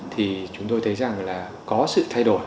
thì chúng tôi thấy rằng là có sự thay đổi